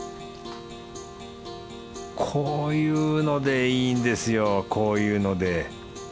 こういうのでいいんですよこういうので。